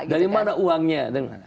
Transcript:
dari mana uangnya